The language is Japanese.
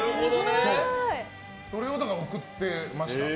それを贈ってました。